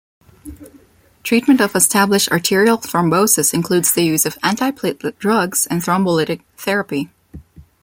Treatment of established arterial thrombosis includes the use of antiplatelet drugs and thrombolytic therapy.